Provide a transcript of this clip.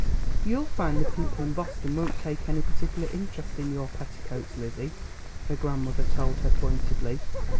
"You'll find the people in Boston won't take any particular interest in your petticoats, Lizzie," her grandmother told her pointedly.